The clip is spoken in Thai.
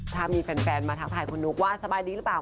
ถ้ามีแฟนมาทักทายคุณนุ๊กว่าสบายดีหรือเปล่า